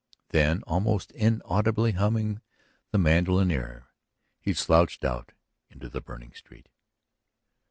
Then, almost inaudibly humming the mandolin air, he slouched out into the burning street.